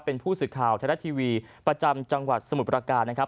เป็นผู้สื่อข่าวไทยรัฐทีวีประจำจังหวัดสมุทรประการนะครับ